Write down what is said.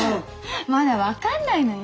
まだ分かんないのよ。